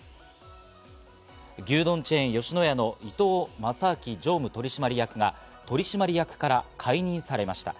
牛丼チェーン・吉野家の伊東正明常務取締役が取締役から解任されました。